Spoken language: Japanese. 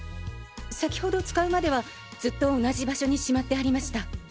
先ほど使うまではずっと同じ場所にしまってありました。